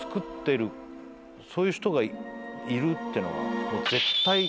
そういう人がいるっていうのは。